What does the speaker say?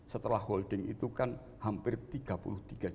setelah holding itu kan hampir tiga puluh tiga juta